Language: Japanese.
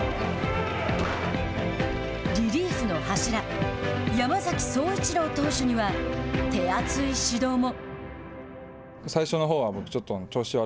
リリーフの柱山崎颯一郎投手には手厚い指導も。